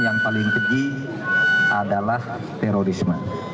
yang paling keji adalah terorisme